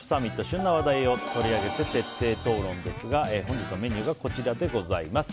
旬な話題を取り上げて徹底討論ですが本日のメニューがこちらです。